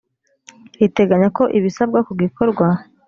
riteganya ko ibisabwa ku gikorwa